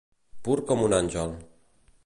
Pur com un àngel.